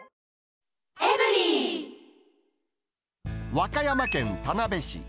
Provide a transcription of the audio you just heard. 和歌山県田辺市。